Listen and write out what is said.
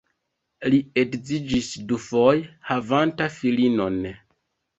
Li edziĝis dufoje, havanta filinon.